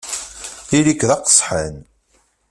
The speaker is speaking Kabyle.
Ili-k d aqesḥan!